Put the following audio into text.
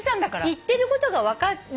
言ってることが分かるじゃない。